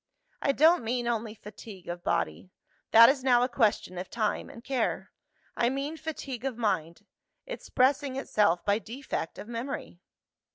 "I don't mean only fatigue of body: that is now a question of time and care. I mean fatigue of mind expressing itself by defect of memory.